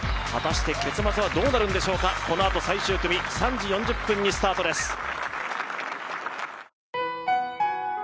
果たして結末はどうなるんでしょうか、このあと最終組、３時４０分にスタートです。